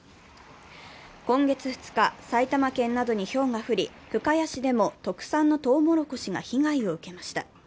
今月２日、埼玉県などにひょうが降り深谷市でも特産のとうもろこしが被害を受けました。